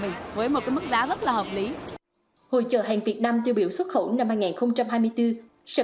mình với một cái mức giá rất là hợp lý hội trợ hàng việt nam tiêu biểu xuất khẩu năm hai nghìn hai mươi bốn sẽ